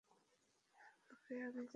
ওকে, আমি জানাবো।